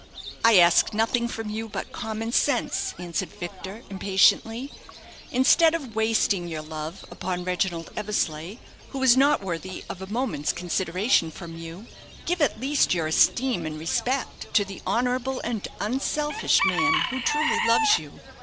"I ask nothing from you but common sense," answered Victor impatiently. "Instead of wasting your love upon Reginald Eversleigh, who is not worthy a moment's consideration from you, give at least your esteem and respect to the honourable and unselfish man who truly loves you.